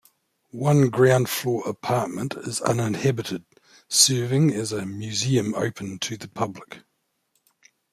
One ground-floor apartment is uninhabited, serving as a museum open to the public.